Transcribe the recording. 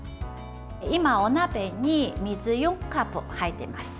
今、お鍋に水４カップ入ってます。